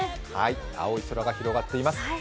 青い空が広がっています。